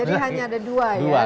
jadi hanya ada dua ya